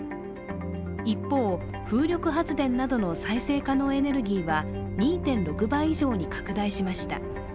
一方、風力発電などの再生可能エネルギーは２．６倍以上に拡大しました。